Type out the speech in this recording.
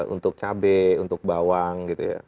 untuk cabai untuk bawang